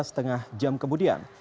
setengah jam kemudian